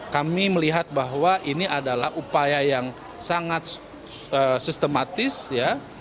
kami melihat bahwa ini adalah upaya yang sangat sistematis ya